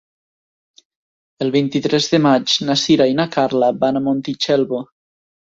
El vint-i-tres de maig na Sira i na Carla van a Montitxelvo.